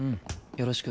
よろしく。